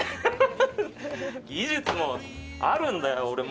技術もあるんだよ、俺も。